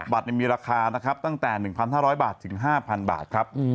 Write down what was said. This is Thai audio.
บัตรมีราคานะครับตั้งแต่๑๕๐๐บาทถึง๕๐๐บาทครับ